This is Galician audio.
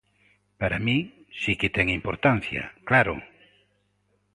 Para min si que ten importancia, claro.